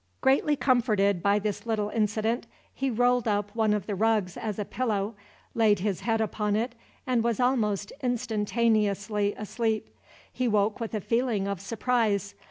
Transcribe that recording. Greatly comforted by this little incident, he rolled up one of the rugs as a pillow, laid his head upon it, and was almost instantaneously asleep. He woke with a feeling of surprise.